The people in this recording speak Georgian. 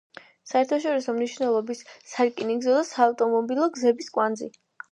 საერთაშორისო მნიშვნელობის სარკინიგზო და საავტომობილო გზების კვანძი.